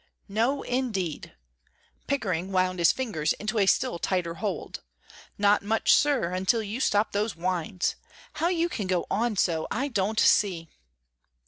"No, indeed." Pickering wound his fingers into a still tighter hold. "Not much, sir, until you stop those whines. How you can go on so, I don't see!"